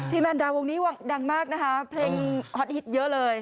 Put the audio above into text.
แมนดาวงนี้ดังมากนะคะเพลงฮอตฮิตเยอะเลย